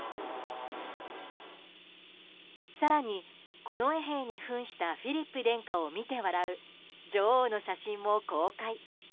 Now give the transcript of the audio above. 更に、近衛兵に扮したフィリップ殿下を見て笑う女王の写真も公開。